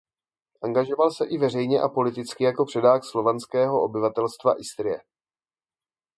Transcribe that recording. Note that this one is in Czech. Angažoval se i veřejně a politicky jako předák slovanského obyvatelstva Istrie.